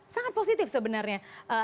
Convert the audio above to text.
sangat positif sebenarnya